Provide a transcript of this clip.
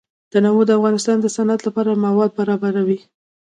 تنوع د افغانستان د صنعت لپاره مواد برابروي.